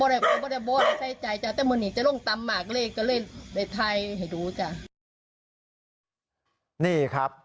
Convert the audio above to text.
ล้อยขึ้นไปสูงมากจ้ะมมเห็นไม่เจ้าก็เหมือนกตตหรือครับ